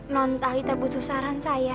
non tali tak butuh saran saya